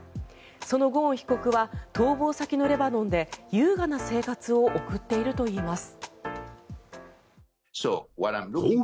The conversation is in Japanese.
そのゴーン被告は逃亡先のレバノンで優雅な生活を送っているといいます。